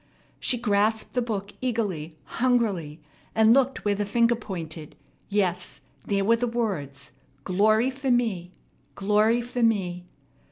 She grasped the book eagerly, hungrily, and looked where the finger pointed. Yes, there were the words. "Glory for me!" "Glory for me!"